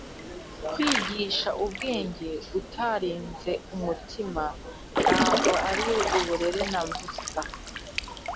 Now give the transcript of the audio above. kwigisha ubwenge utarize umutima ntabwo ari uburere na busa.